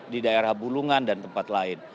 di daerah bulungan dan tempat lain